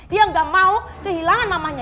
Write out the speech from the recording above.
dia gak mau kehilangan mamahnya